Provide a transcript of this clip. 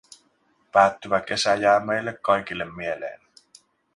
Päättyvä kesä jää meille kaikille mieleen.